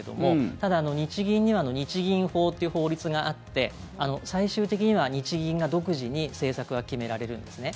ただ、日銀には日銀法という法律があって最終的には日銀が独自に政策は決められるんですね。